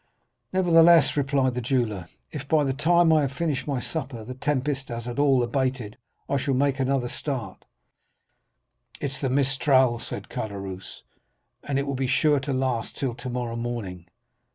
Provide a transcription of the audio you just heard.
"'Nevertheless,' replied the jeweller, 'if by the time I have finished my supper the tempest has at all abated, I shall make another start.' "'It's the mistral,' said Caderousse, 'and it will be sure to last till tomorrow morning.